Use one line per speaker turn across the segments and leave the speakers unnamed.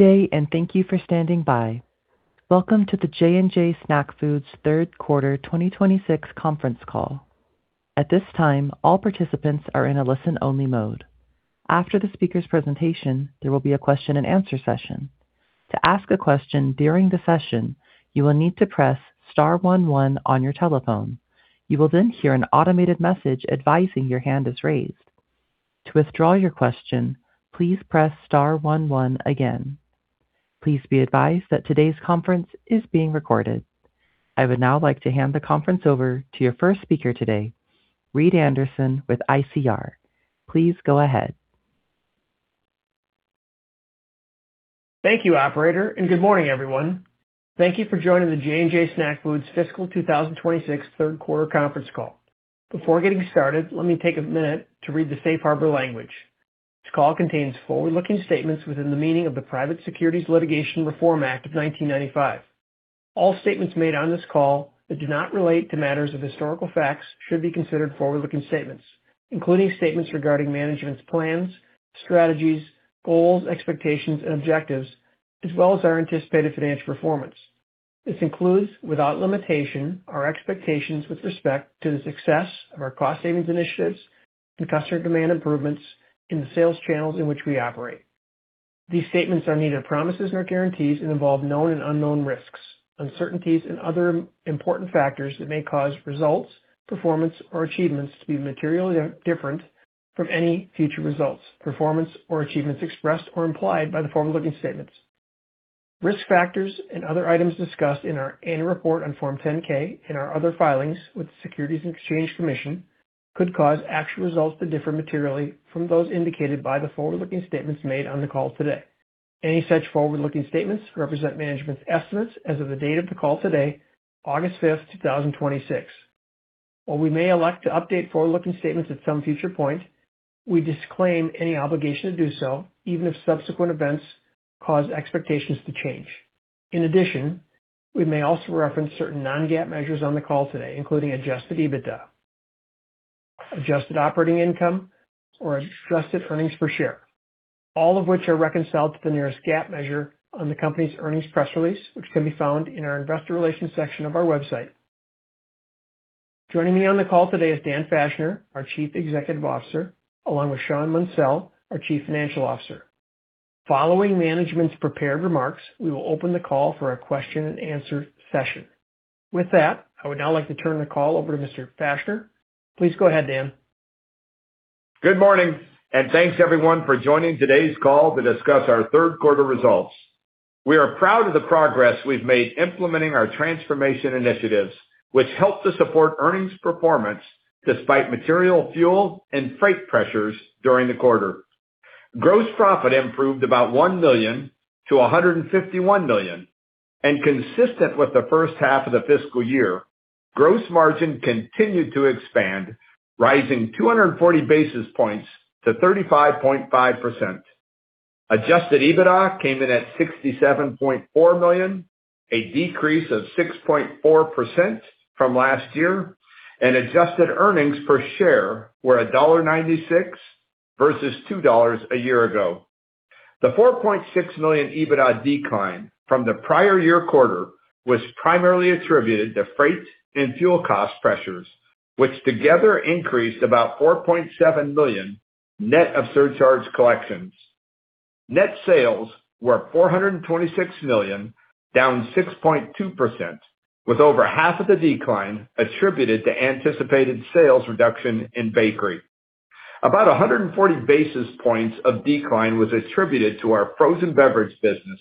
Good day and thank you for standing by. Welcome to the J&J Snack Foods third quarter 2026 conference call. At this time, all participants are in a listen-only mode. After the speaker's presentation, there will be a question and answer session. To ask a question during the session, you will need to press star one one on your telephone. You will then hear an automated message advising your hand is raised. To withdraw your question, please press star one one again. Please be advised that today's conference is being recorded. I would now like to hand the conference over to your first speaker today, Reed Anderson with ICR. Please go ahead.
Thank you, operator. Good morning, everyone. Thank you for joining the J&J Snack Foods fiscal 2026 third quarter conference call. Before getting started, let me take a minute to read the safe harbor language. This call contains forward-looking statements within the meaning of the Private Securities Litigation Reform Act of 1995. All statements made on this call that do not relate to matters of historical facts should be considered forward-looking statements. Including statements regarding management's plans, strategies, goals, expectations, and objectives, as well as our anticipated financial performance. This includes, without limitation, our expectations with respect to the success of our cost savings initiatives and customer demand improvements in the sales channels in which we operate. These statements are neither promises nor guarantees and involve known and unknown risks, uncertainties, and other important factors that may cause results, performance, or achievements to be materially different from any future results, performance, or achievements expressed or implied by the forward-looking statements. Risk factors and other items discussed in our annual report on Form 10-K and our other filings with the Securities and Exchange Commission could cause actual results to differ materially from those indicated by the forward-looking statements made on the call today. Any such forward-looking statements represent management's estimates as of the date of the call today, August 5th, 2026. While we may elect to update forward-looking statements at some future point, we disclaim any obligation to do so, even if subsequent events cause expectations to change. In addition, we may also reference certain non-GAAP measures on the call today, including adjusted EBITDA, adjusted operating income, or adjusted earnings per share, all of which are reconciled to the nearest GAAP measure on the company's earnings press release, which can be found in our investor relations section of our website. Joining me on the call today is Dan Fachner, our Chief Executive Officer, along with Shawn Munsell, our Chief Financial Officer. Following management's prepared remarks, we will open the call for a question and answer session. With that, I would now like to turn the call over to Mr. Fachner. Please go ahead, Dan.
Good morning. Thanks, everyone, for joining today's call to discuss our third quarter results. We are proud of the progress we've made implementing our transformation initiatives, which helped to support earnings performance despite material fuel and freight pressures during the quarter. Gross profit improved about $1 million-$151 million, and consistent with the first half of the fiscal year, gross margin continued to expand, rising 240 basis points to 35.5%. Adjusted EBITDA came in at $67.4 million, a decrease of 6.4% from last year, and adjusted earnings per share were $1.96 versus $2 a year ago. The $4.6 million EBITDA decline from the prior year quarter was primarily attributed to freight and fuel cost pressures, which together increased about $4.7 million net of surcharge collections. Net sales were $426 million, down 6.2%, with over half of the decline attributed to anticipated sales reduction in bakery. About 140 basis points of decline was attributed to our frozen beverage business,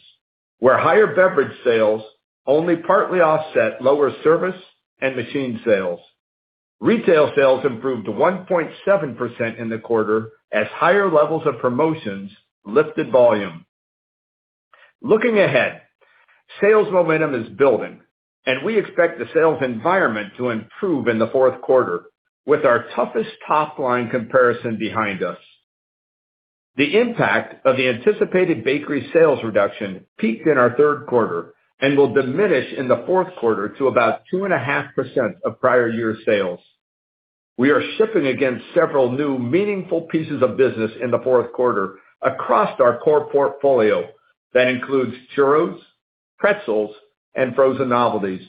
where higher beverage sales only partly offset lower service and machine sales. Retail sales improved 1.7% in the quarter as higher levels of promotions lifted volume. Looking ahead, sales momentum is building, and we expect the sales environment to improve in the fourth quarter with our toughest top-line comparison behind us. The impact of the anticipated bakery sales reduction peaked in our third quarter and will diminish in the fourth quarter to about 2.5% of prior year sales. We are shipping against several new meaningful pieces of business in the fourth quarter across our core portfolio that includes churros, pretzels, and frozen novelties.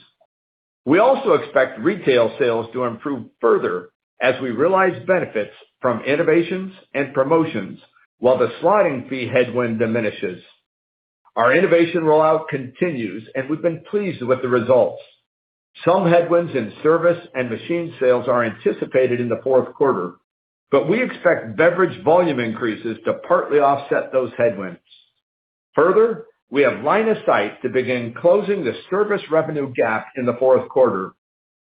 We also expect retail sales to improve further as we realize benefits from innovations and promotions while the slotting fee headwind diminishes. Our innovation rollout continues, and we've been pleased with the results. Some headwinds in service and machine sales are anticipated in the fourth quarter. We expect beverage volume increases to partly offset those headwinds. Further, we have line of sight to begin closing the service revenue gap in the fourth quarter,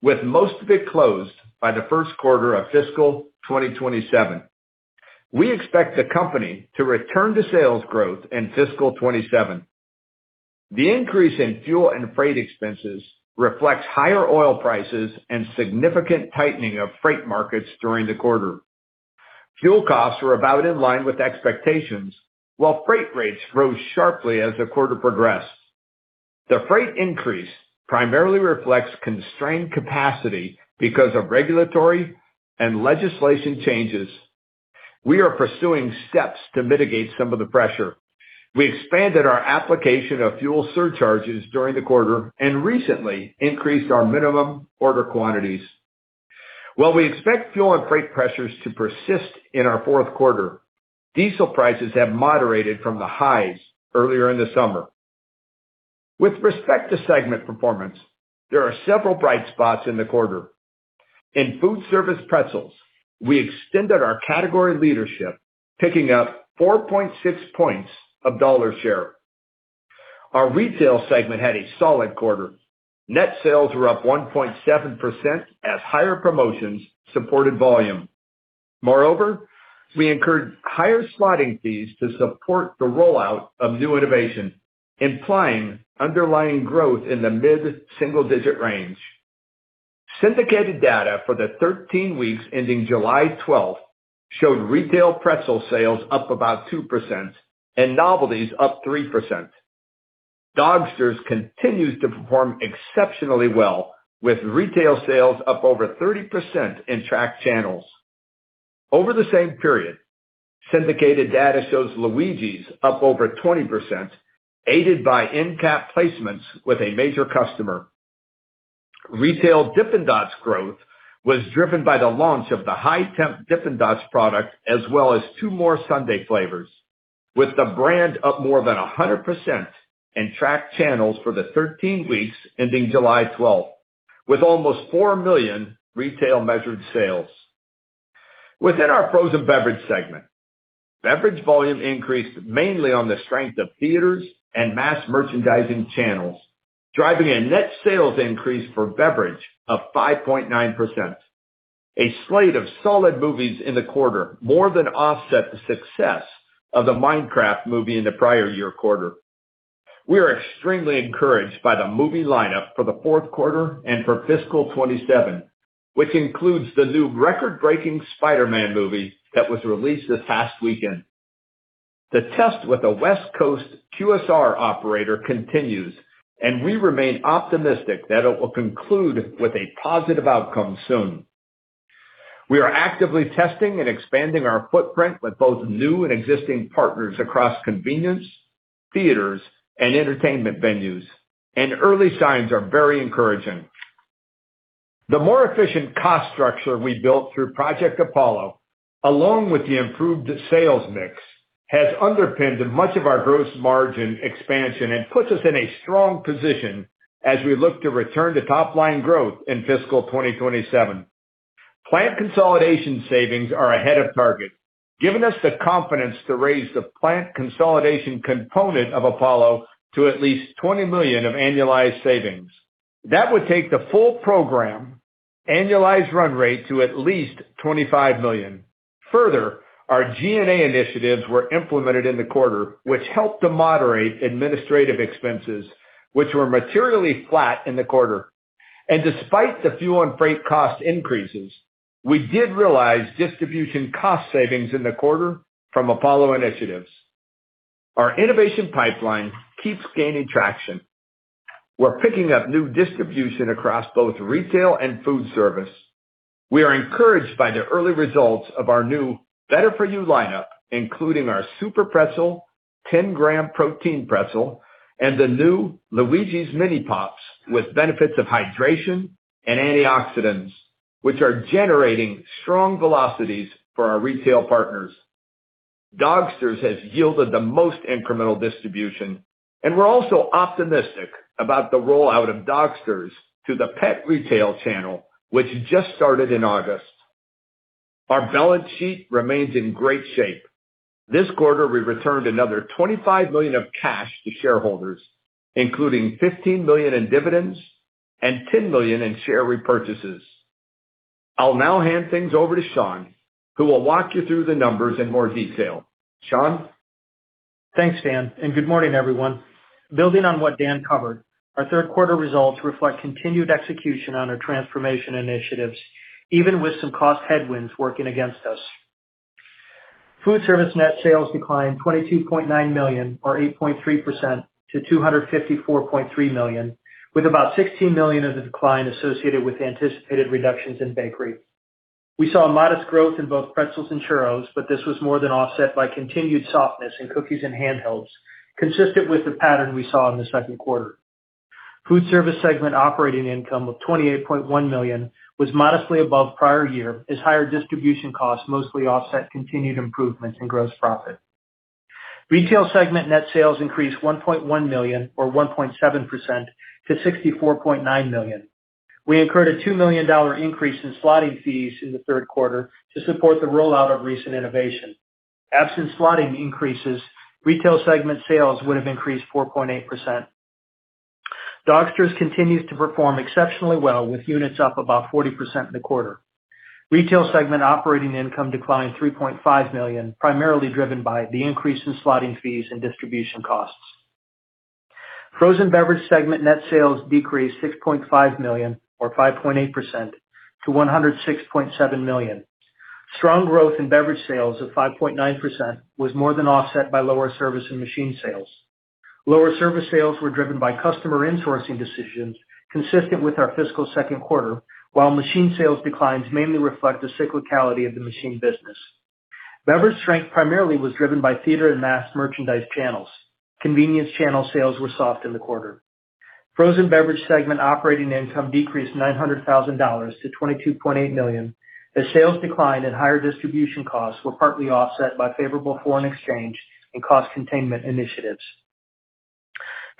with most of it closed by the first quarter of fiscal 2027. We expect the company to return to sales growth in fiscal 2027. The increase in fuel and freight expenses reflects higher oil prices and significant tightening of freight markets during the quarter. Fuel costs were about in line with expectations while freight rates rose sharply as the quarter progressed. The freight increase primarily reflects constrained capacity because of regulatory and legislation changes. We are pursuing steps to mitigate some of the pressure. We expanded our application of fuel surcharges during the quarter and recently increased our minimum order quantities. While we expect fuel and freight pressures to persist in our fourth quarter, diesel prices have moderated from the highs earlier in the summer. With respect to segment performance, there are several bright spots in the quarter. In food service pretzels, we extended our category leadership, picking up 4.6 points of dollar share. Our retail segment had a solid quarter. Net sales were up 1.7% as higher promotions supported volume. Moreover, we incurred higher slotting fees to support the rollout of new innovation, implying underlying growth in the mid-single-digit range. Syndicated data for the 13 weeks ending July 12th showed retail pretzel sales up about 2% and novelties up 3%. Dogsters continues to perform exceptionally well, with retail sales up over 30% in tracked channels. Over the same period, syndicated data shows Luigi's up over 20%, aided by end cap placements with a major customer. Retail Dippin' Dots growth was driven by the launch of the high-temp Dippin' Dots product, as well as two more sundae flavors, with the brand up more than 100% in tracked channels for the 13 weeks ending July 12th, with almost $4 million retail measured sales. Within our frozen beverage segment, beverage volume increased mainly on the strength of theaters and mass merchandising channels, driving a net sales increase for beverage of 5.9%. A slate of solid movies in the quarter more than offset the success of the Minecraft movie in the prior year quarter. We are extremely encouraged by the movie lineup for the fourth quarter and for fiscal 2027, which includes the new record-breaking Spider-Man movie that was released this past weekend. The test with the West Coast QSR operator continues, and we remain optimistic that it will conclude with a positive outcome soon. We are actively testing and expanding our footprint with both new and existing partners across convenience, theaters, and entertainment venues, and early signs are very encouraging. The more efficient cost structure we built through Project Apollo, along with the improved sales mix, has underpinned much of our gross margin expansion and puts us in a strong position as we look to return to top-line growth in fiscal 2027. Plant consolidation savings are ahead of target, giving us the confidence to raise the plant consolidation component of Apollo to at least $20 million of annualized savings. That would take the full program annualized run rate to at least $25 million. Further, our G&A initiatives were implemented in the quarter, which helped to moderate administrative expenses, which were materially flat in the quarter. Despite the fuel and freight cost increases, we did realize distribution cost savings in the quarter from Apollo initiatives. Our innovation pipeline keeps gaining traction. We're picking up new distribution across both retail and food service. We are encouraged by the early results of our new Better For You lineup, including our Superpretzel, 10-gram protein pretzel, and the new Luigi's Mini Pops with benefits of hydration and antioxidants, which are generating strong velocities for our retail partners. Dogsters has yielded the most incremental distribution, and we're also optimistic about the rollout of Dogsters to the pet retail channel, which just started in August. Our balance sheet remains in great shape. This quarter, we returned another $25 million of cash to shareholders, including $15 million in dividends and $10 million in share repurchases. I'll now hand things over to Shawn, who will walk you through the numbers in more detail. Shawn?
Thanks, Dan. Good morning, everyone. Building on what Dan covered, our third quarter results reflect continued execution on our transformation initiatives, even with some cost headwinds working against us. Foodservice net sales declined $22.9 million, or 8.3%, to $254.3 million, with about $16 million of the decline associated with anticipated reductions in bakery. We saw modest growth in both pretzels and churros. This was more than offset by continued softness in cookies and handhelds, consistent with the pattern we saw in the second quarter. Foodservice segment operating income of $28.1 million was modestly above prior year as higher distribution costs mostly offset continued improvements in gross profit. Retail segment net sales increased $1.1 million, or 1.7%, to $64.9 million. We incurred a $2 million increase in slotting fees in the third quarter to support the rollout of recent innovation. Absent slotting increases, retail segment sales would have increased 4.8%. Dogsters continues to perform exceptionally well with units up about 40% in the quarter. Retail segment operating income declined $3.5 million, primarily driven by the increase in slotting fees and distribution costs. Frozen beverage segment net sales decreased $6.5 million, or 5.8%, to $106.7 million. Strong growth in beverage sales of 5.9% was more than offset by lower service and machine sales. Lower service sales were driven by customer insourcing decisions consistent with our fiscal second quarter, while machine sales declines mainly reflect the cyclicality of the machine business. Beverage strength primarily was driven by theater and mass merchandise channels. Convenience channel sales were soft in the quarter. Frozen beverage segment operating income decreased $900,000-$22.8 million, as sales decline and higher distribution costs were partly offset by favorable foreign exchange and cost containment initiatives.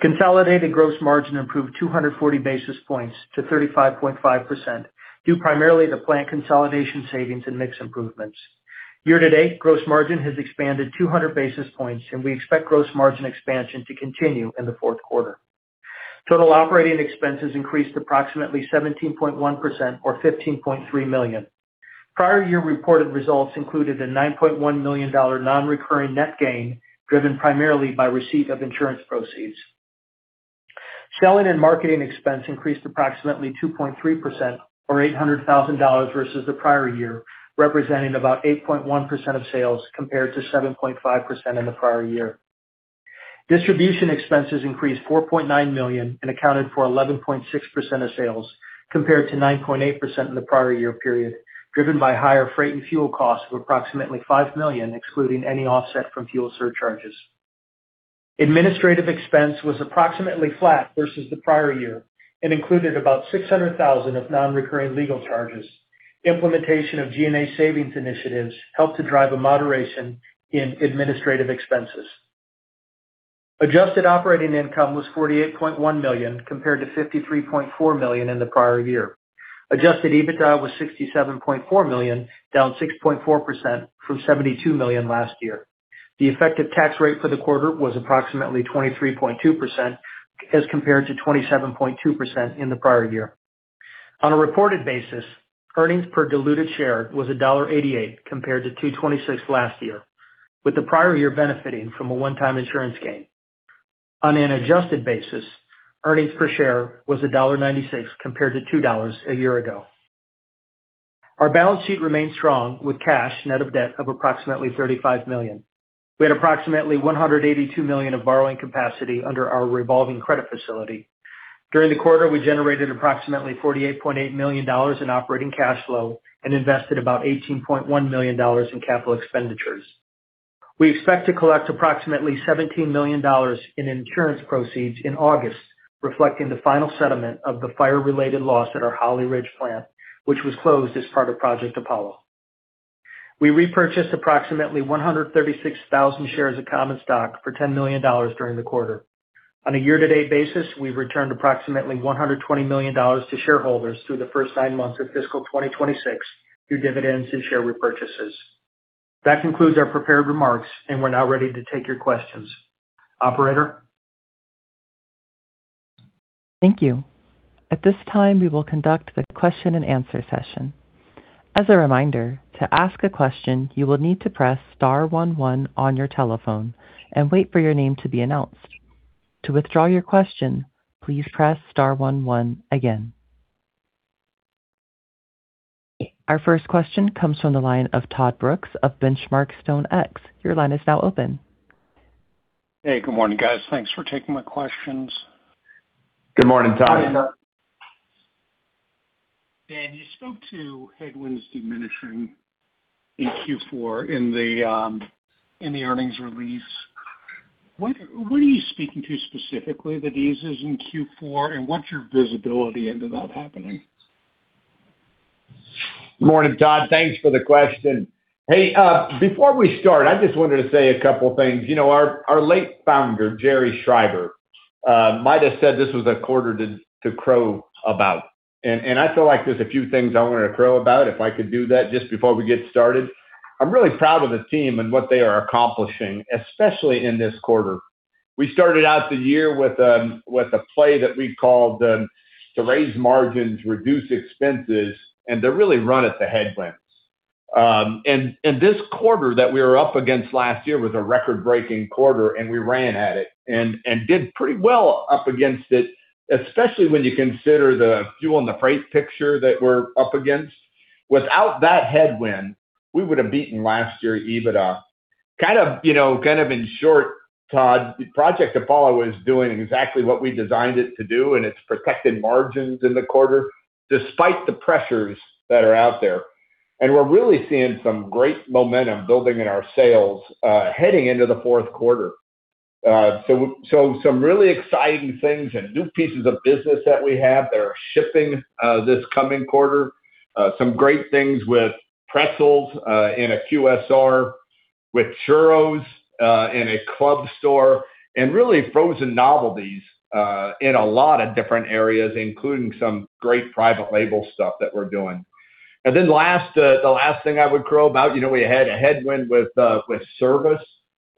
Consolidated gross margin improved 240 basis points to 35.5%, due primarily to plant consolidation savings and mix improvements. Year to date, gross margin has expanded 200 basis points. We expect gross margin expansion to continue in the fourth quarter. Total operating expenses increased approximately 17.1%, or $15.3 million. Prior year reported results included a $9.1 million non-recurring net gain, driven primarily by receipt of insurance proceeds. Selling and marketing expense increased approximately 2.3%, or $800,000 versus the prior year, representing about 8.1% of sales compared to 7.5% in the prior year. Distribution expenses increased $4.9 million. Accounted for 11.6% of sales, compared to 9.8% in the prior year period, driven by higher freight and fuel costs of approximately $5 million, excluding any offset from fuel surcharges. Administrative expense was approximately flat versus the prior year. Included about $600,000 of non-recurring legal charges. Implementation of G&A savings initiatives helped to drive a moderation in administrative expenses. Adjusted operating income was $48.1 million, compared to $53.4 million in the prior year. Adjusted EBITDA was $67.4 million, down 6.4% from $72 million last year. The effective tax rate for the quarter was approximately 23.2% as compared to 27.2% in the prior year. On a reported basis, earnings per diluted share was $1.88 compared to $2.26 last year, with the prior year benefiting from a one-time insurance gain. On an adjusted basis, earnings per share was $1.96 compared to $2 a year ago. Our balance sheet remains strong, with cash net of debt of approximately $35 million. We had approximately $182 million of borrowing capacity under our revolving credit facility. During the quarter, we generated approximately $48.8 million in operating cash flow and invested about $18.1 million in capital expenditures. We expect to collect approximately $17 million in insurance proceeds in August, reflecting the final settlement of the fire-related loss at our Holly Ridge plant, which was closed as part of Project Apollo. We repurchased approximately 136,000 shares of common stock for $10 million during the quarter. On a year-to-date basis, we've returned approximately $120 million to shareholders through the first nine months of fiscal 2026 through dividends and share repurchases. That concludes our prepared remarks. We're now ready to take your questions. Operator?
Thank you. At this time, we will conduct the question-and-answer session. As a reminder, to ask a question, you will need to press star one one on your telephone and wait for your name to be announced. To withdraw your question, please press star one one again. Our first question comes from the line of Todd Brooks of Benchmark StoneX. Your line is now open.
Hey, good morning, guys. Thanks for taking my questions.
Good morning, Todd.
Dan, you spoke to headwinds diminishing in Q4 in the earnings release. What are you speaking to specifically that eases in Q4, and what's your visibility into that happening?
Morning, Todd. Thanks for the question. Hey, before we start, I just wanted to say a couple of things. Our late founder, Jerry Shreiber, might have said this was a quarter to crow about, and I feel like there's a few things I want to crow about if I could do that just before we get started. I'm really proud of the team and what they are accomplishing, especially in this quarter. We started out the year with a play that we called to raise margins, reduce expenses, and to really run at the headwinds. This quarter that we were up against last year was a record-breaking quarter, and we ran at it and did pretty well up against it, especially when you consider the fuel and the freight picture that we're up against. Without that headwind, we would have beaten last year's EBITDA. In short, Todd, Project Apollo is doing exactly what we designed it to do, and it's protecting margins in the quarter despite the pressures that are out there. We're really seeing some great momentum building in our sales heading into the fourth quarter. Some really exciting things and new pieces of business that we have that are shipping this coming quarter. Some great things with pretzels in a QSR, with churros in a club store, and really frozen novelties in a lot of different areas, including some great private label stuff that we're doing. The last thing I would crow about, we had a headwind with service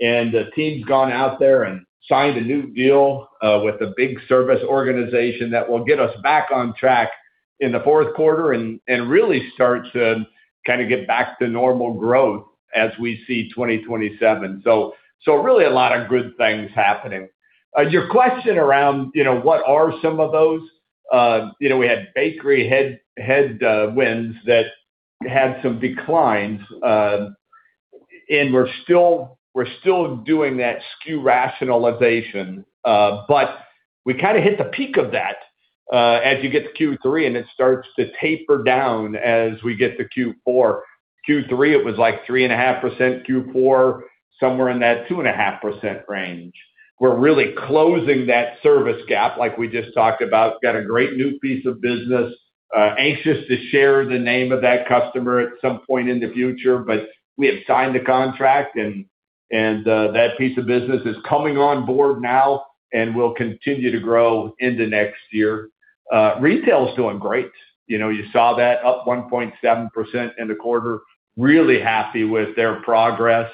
and the team's gone out there and signed a new deal with a big service organization that will get us back on track in the fourth quarter and really start to get back to normal growth as we see 2027. Really a lot of good things happening. Your question around what are some of those? We had bakery headwinds that had some declines, and we're still doing that SKU rationalization. We kind of hit the peak of that as you get to Q3, and it starts to taper down as we get to Q4. Q3, it was like 3.5%. Q4, somewhere in that 2.5% range. We're really closing that service gap like we just talked about. Got a great new piece of business. Anxious to share the name of that customer at some point in the future, but we have signed a contract, and that piece of business is coming on board now and will continue to grow into next year. Retail is doing great. You saw that, up 1.7% in the quarter. Really happy with their progress.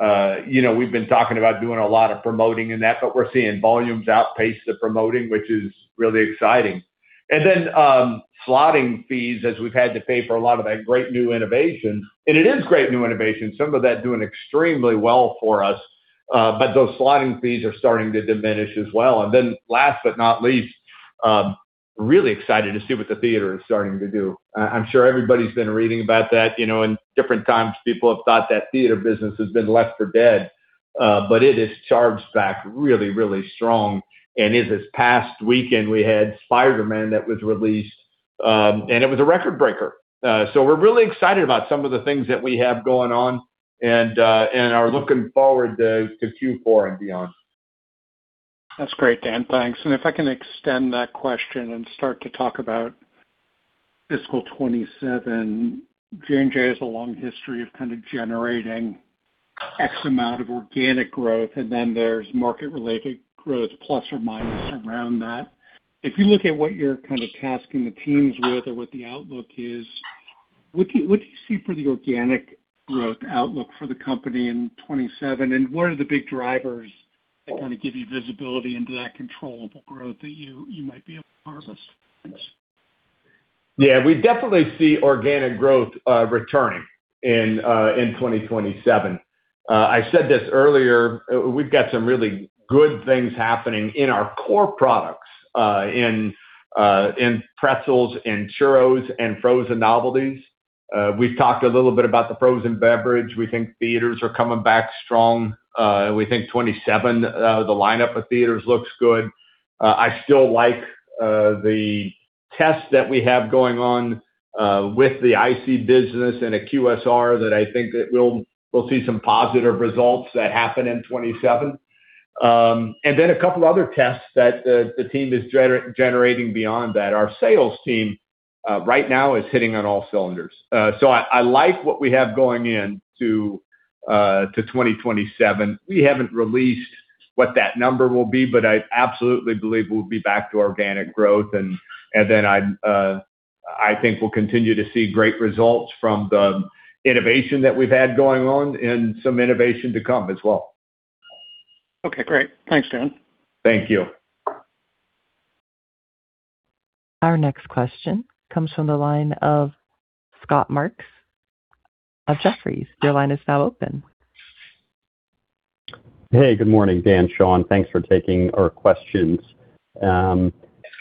We've been talking about doing a lot of promoting and that, but we're seeing volumes outpace the promoting, which is really exciting. Slotting fees, as we've had to pay for a lot of that great new innovation. It is great new innovation, some of that doing extremely well for us. Those slotting fees are starting to diminish as well. Last but not least, really excited to see what the theater is starting to do. I'm sure everybody's been reading about that, and different times people have thought that theater business has been left for dead. It has charged back really, really strong. This past weekend, we had "Spider-Man" that was released, and it was a record-breaker. We're really excited about some of the things that we have going on and are looking forward to Q4 and beyond.
That's great, Dan. Thanks. If I can extend that question and start to talk about fiscal 2027. J&J has a long history of kind of generating X amount of organic growth, and then there's market-related growth, plus or minus around that. If you look at what you're kind of tasking the teams with or what the outlook is, what do you see for the organic growth outlook for the company in 2027, and what are the big drivers that kind of give you visibility into that controllable growth that you might be able to harvest?
Yeah, we definitely see organic growth returning in 2027. I said this earlier, we've got some really good things happening in our core products, in pretzels, in churros, and frozen novelties. We've talked a little bit about the frozen beverage. We think theaters are coming back strong. We think 2027, the lineup of theaters looks good. I still like the tests that we have going on with the IC business and a QSR that I think that we'll see some positive results that happen in 2027. A couple of other tests that the team is generating beyond that. Our sales team right now is hitting on all cylinders. I like what we have going into 2027. We haven't released what that number will be, but I absolutely believe we'll be back to organic growth. I think we'll continue to see great results from the innovation that we've had going on and some innovation to come as well.
Okay, great. Thanks, Dan.
Thank you.
Our next question comes from the line of Scott Marks of Jefferies. Your line is now open.
Hey, good morning, Dan, Shawn. Thanks for taking our questions.
Hey,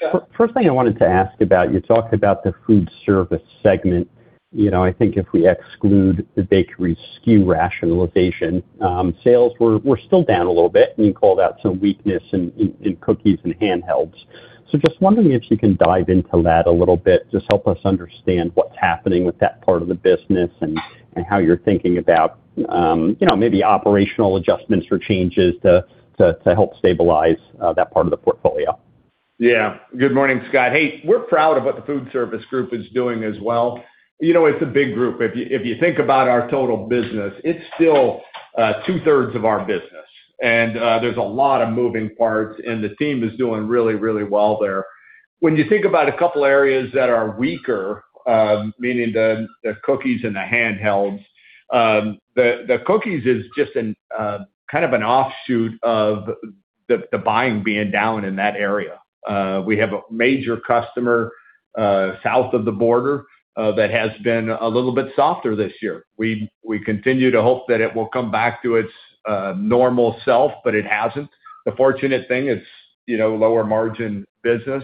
Scott.
First thing I wanted to ask about, you talked about the food service segment. I think if we exclude the bakery SKU rationalization, sales were still down a little bit, and you called out some weakness in cookies and handhelds. Just wondering if you can dive into that a little bit, just help us understand what's happening with that part of the business and how you're thinking about maybe operational adjustments or changes to help stabilize that part of the portfolio.
Yeah. Good morning, Scott. Hey, we're proud of what the food service group is doing as well. It's a big group. If you think about our total business, it's still two-thirds of our business. There's a lot of moving parts, and the team is doing really, really well there. When you think about a couple areas that are weaker, meaning the cookies and the handhelds, the cookies is just kind of an offshoot of the buying being down in that area. We have a major customer south of the border that has been a little bit softer this year. We continue to hope that it will come back to its normal self, but it hasn't. The fortunate thing, it's lower margin business,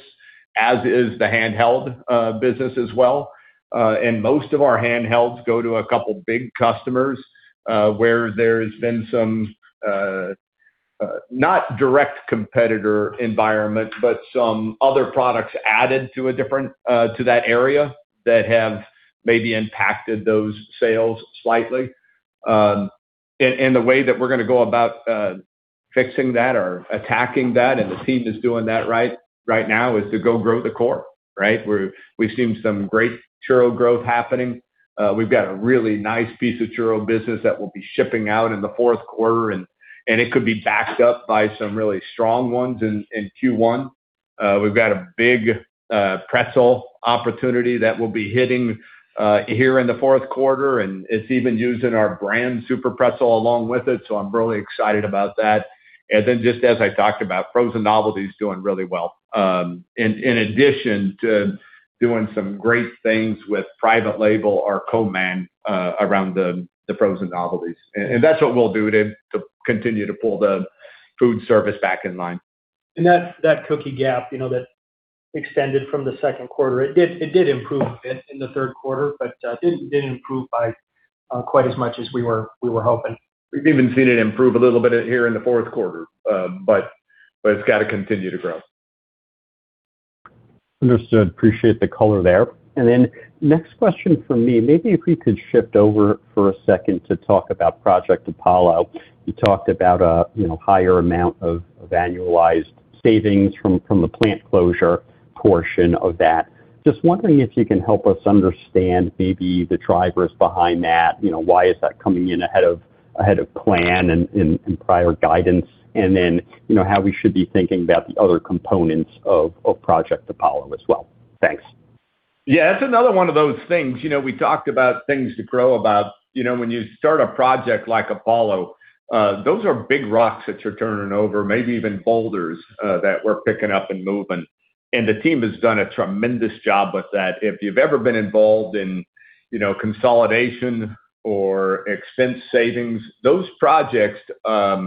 as is the handheld business as well. Most of our handhelds go to a couple big customers, where there's been some not direct competitor environment, but some other products added to that area that have maybe impacted those sales slightly. The way that we're going to go about fixing that or attacking that, and the team is doing that right now, is to go grow the core, right? We've seen some great churro growth happening. We've got a really nice piece of churro business that we'll be shipping out in the fourth quarter, and it could be backed up by some really strong ones in Q1. We've got a big pretzel opportunity that we'll be hitting here in the fourth quarter, and it's even using our brand Superpretzel along with it, so I'm really excited about that. Just as I talked about, frozen novelty is doing really well. In addition to doing some great things with private label or co-man around the frozen novelties. That's what we'll do to continue to pull the food service back in line.
That cookie gap that extended from the second quarter, it did improve a bit in the third quarter, didn't improve by quite as much as we were hoping.
We've even seen it improve a little bit here in the fourth quarter. It's got to continue to grow.
Understood. Appreciate the color there. Next question from me, maybe if we could shift over for a second to talk about Project Apollo. You talked about a higher amount of annualized savings from the plant closure portion of that. Just wondering if you can help us understand maybe the drivers behind that, why is that coming in ahead of plan and prior guidance, and then how we should be thinking about the other components of Project Apollo as well. Thanks.
Yeah. That's another one of those things. We talked about things to grow about. When you start a project like Apollo, those are big rocks that you're turning over, maybe even boulders that we're picking up and moving. The team has done a tremendous job with that. If you've ever been involved in consolidation or expense savings, those projects are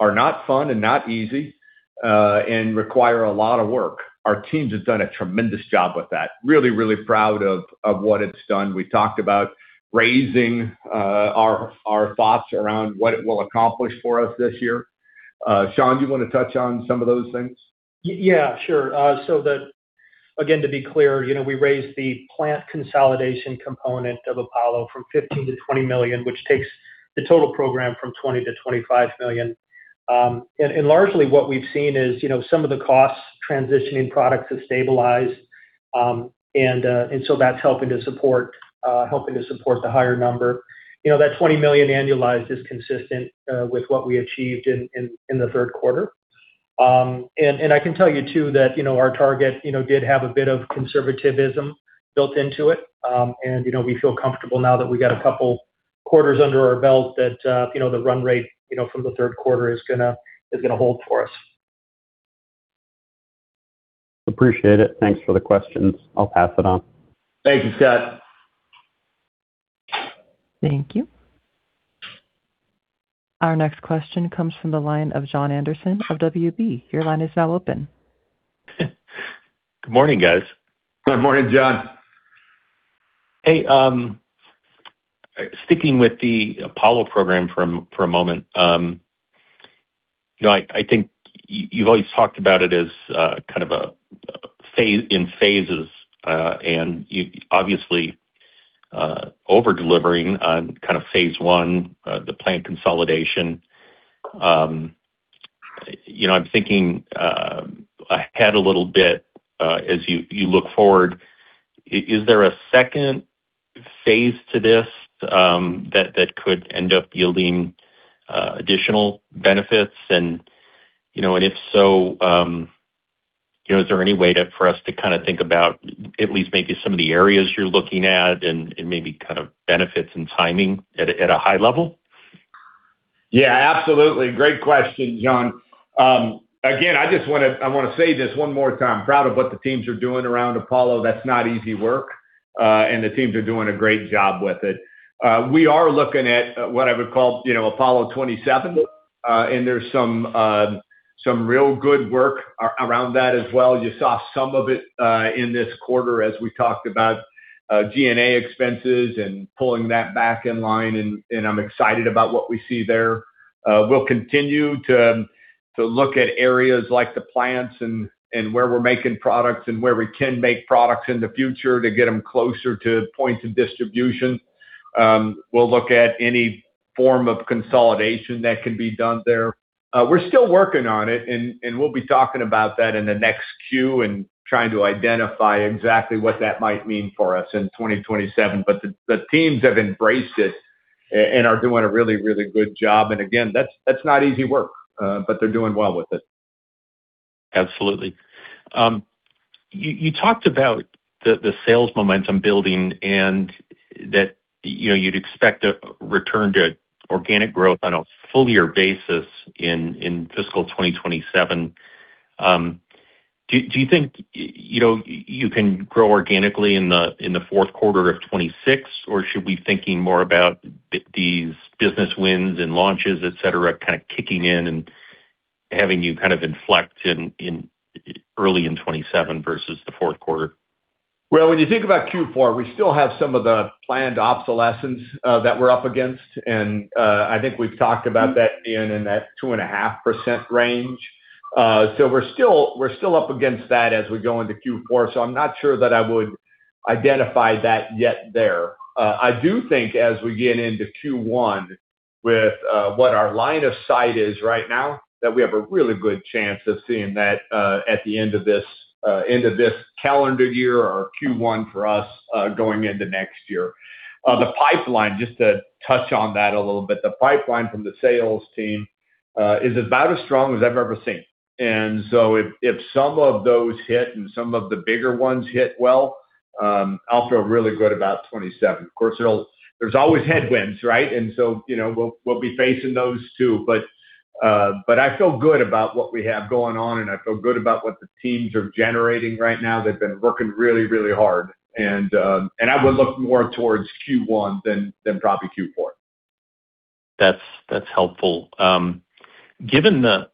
not fun and not easy, and require a lot of work. Our teams have done a tremendous job with that. Really, really proud of what it's done. We talked about raising our thoughts around what it will accomplish for us this year. Shawn, do you want to touch on some of those things?
Yeah. Sure. Again, to be clear, we raised the plant consolidation component of Apollo from $15 million-$20 million, which takes the total program from $20 million-$25 million. Largely what we've seen is some of the costs transitioning products have stabilized. That's helping to support the higher number. That $20 million annualized is consistent with what we achieved in the third quarter. I can tell you, too, that our target did have a bit of conservativism built into it. We feel comfortable now that we've got a couple quarters under our belt that the run rate from the third quarter is going to hold for us.
Appreciate it. Thanks for the questions. I'll pass it on.
Thank you, Scott.
Thank you. Our next question comes from the line of Jon Andersen of WB. Your line is now open.
Good morning, guys.
Good morning, Jon.
Hey, sticking with the Apollo program for a moment. I think you've always talked about it as kind of in phases, and you're obviously over-delivering on kind of phase I, the plant consolidation. I'm thinking ahead a little bit, as you look forward, is there a second phase to this that could end up yielding additional benefits? If so, is there any way for us to kind of think about at least maybe some of the areas you're looking at and maybe kind of benefits and timing at a high level?
Absolutely. Great question, Jon. Again, I want to say this one more time, proud of what the teams are doing around Apollo. That's not easy work. The teams are doing a great job with it. We are looking at what I would call Apollo '27. There's some real good work around that as well. You saw some of it in this quarter as we talked about G&A expenses and pulling that back in line, and I'm excited about what we see there. We'll continue to look at areas like the plants and where we're making products and where we can make products in the future to get them closer to points of distribution. We'll look at any form of consolidation that can be done there. We're still working on it, and we'll be talking about that in the next Q and trying to identify exactly what that might mean for us in 2027. But the teams have embraced it and are doing a really, really good job. Again, that's not easy work. But they're doing well with it.
Absolutely. You talked about the sales momentum building and that you'd expect a return to organic growth on a fuller basis in fiscal 2027. Do you think you can grow organically in the fourth quarter of 2026, or should we be thinking more about these business wins and launches, et cetera, kind of kicking in and having you kind of inflect early in 2027 versus the fourth quarter?
When you think about Q4, we still have some of the planned obsolescence that we're up against. I think we've talked about that being in that 2.5% range. We're still up against that as we go into Q4. I'm not sure that I would identify that yet there. I do think as we get into Q1 with what our line of sight is right now, that we have a really good chance of seeing that at the end of this calendar year or Q1 for us going into next year. The pipeline, just to touch on that a little bit, the pipeline from the sales team is about as strong as I've ever seen. If some of those hit and some of the bigger ones hit well, I'll feel really good about '27. Of course, there's always headwinds, right? We'll be facing those, too. But I feel good about what we have going on, and I feel good about what the teams are generating right now. They've been working really, really hard. I would look more towards Q1 than probably Q4.
That's helpful. Given the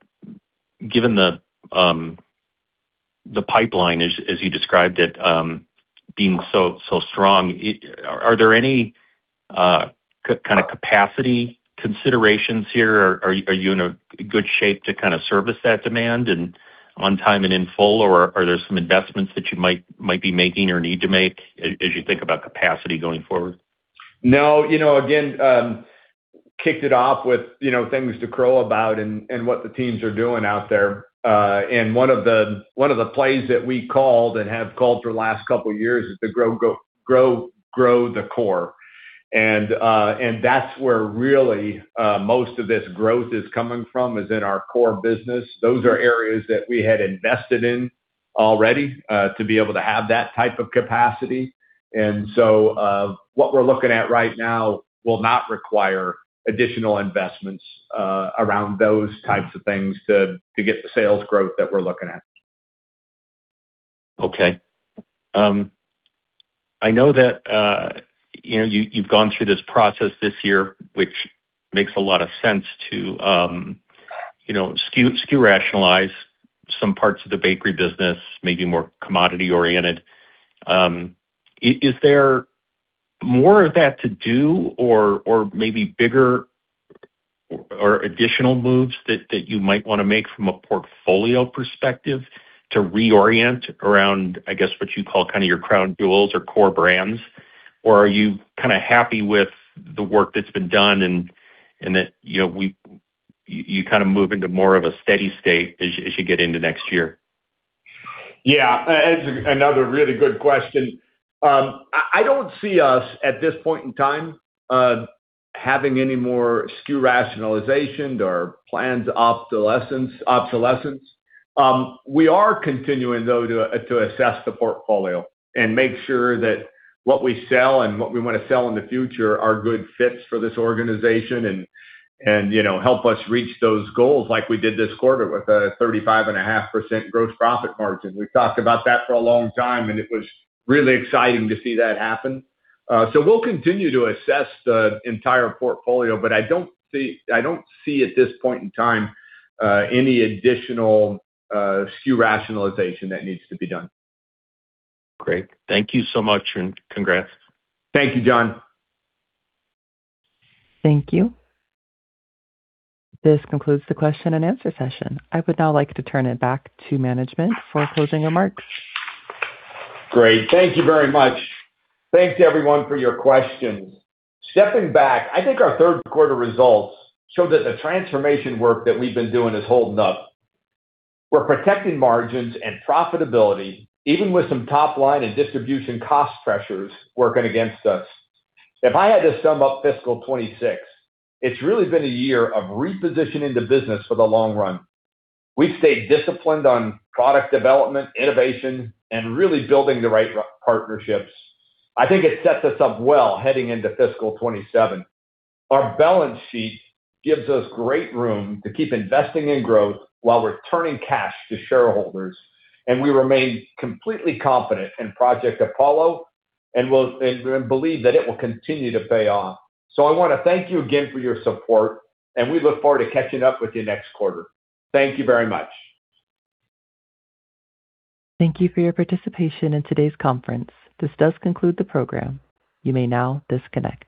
pipeline as you described it being so strong, are there any kind of capacity considerations here? Are you in a good shape to kind of service that demand and on time and in full, or are there some investments that you might be making or need to make as you think about capacity going forward?
No. Again, kicked it off with things to crow about and what the teams are doing out there. One of the plays that we called and have called for the last couple of years is to grow the core. That's where really most of this growth is coming from is in our core business. Those are areas that we had invested in already to be able to have that type of capacity. What we're looking at right now will not require additional investments around those types of things to get the sales growth that we're looking at.
Okay. I know that you've gone through this process this year, which makes a lot of sense to SKU rationalize some parts of the bakery business, maybe more commodity oriented. Is there more of that to do or maybe bigger or additional moves that you might want to make from a portfolio perspective to reorient around, I guess, what you call kind of your crown jewels or core brands? Or are you kind of happy with the work that's been done and that you kind of move into more of a steady state as you get into next year?
Yeah. It's another really good question. I don't see us at this point in time having any more SKU rationalization or planned obsolescence. We are continuing, though, to assess the portfolio and make sure that what we sell and what we want to sell in the future are good fits for this organization and help us reach those goals like we did this quarter with a 35.5% gross profit margin. We talked about that for a long time, and it was really exciting to see that happen. We'll continue to assess the entire portfolio, but I don't see at this point in time any additional SKU rationalization that needs to be done.
Great. Thank you so much, and congrats.
Thank you, Jon.
Thank you. This concludes the question and answer session. I would now like to turn it back to management for closing remarks.
Great. Thank you very much. Thanks, everyone, for your questions. Stepping back, I think our third quarter results show that the transformation work that we've been doing is holding up. We're protecting margins and profitability, even with some top line and distribution cost pressures working against us. If I had to sum up fiscal 2026, it's really been a year of repositioning the business for the long run. We've stayed disciplined on product development, innovation, and really building the right partnerships. I think it sets us up well heading into fiscal 2027. Our balance sheet gives us great room to keep investing in growth while returning cash to shareholders, and we remain completely confident in Project Apollo and believe that it will continue to pay off. I want to thank you again for your support, and we look forward to catching up with you next quarter. Thank you very much.
Thank you for your participation in today's conference. This does conclude the program. You may now disconnect.